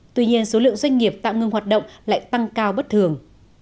tuy nhiên số lượng doanh nghiệp tạm ngừng hoạt động lại tăng cao bất thường